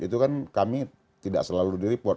itu kan kami tidak selalu di report